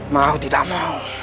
mau tidak mau